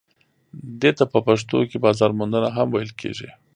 دې ته په پښتو کې بازار موندنه هم ویل کیږي.